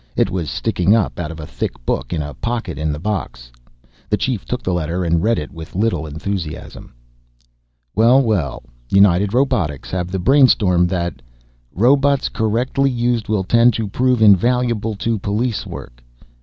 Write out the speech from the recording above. It was sticking up out of a thick book in a pocket in the box. The Chief took the letter and read it with little enthusiasm. "Well, well! United Robotics have the brainstorm that ... robots, correctly used will tend to prove invaluable in police work ...